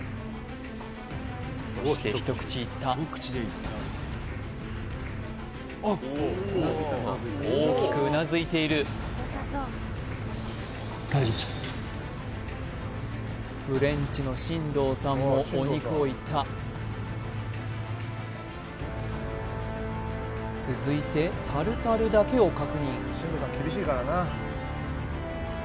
そして一口いった大きくうなずいているおお大丈夫でしょうフレンチの進藤さんもお肉をいった続いてタルタルだけを確認